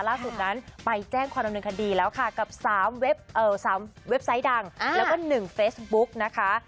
ล่าสุดนั้นไปแจ้งความดำเนินคดีแล้วค่ะกับ๓เว็บไซต์ดังแล้วก็๑เฟซบุ๊กนะคะ